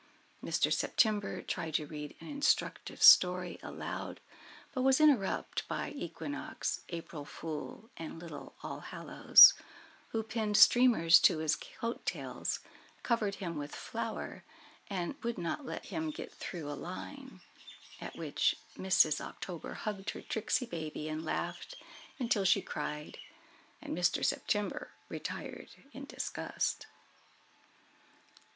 Mr. September tried to read an instructive story aloud, but was interrupted by Equinox, April Fool, and little All Hallows, who pinned streamers to his coat tails, covered him with flour, and would not let him get through a line; at which Mrs. October hugged her tricksy baby, and laughed until she cried, and Mr. September retired in disgust.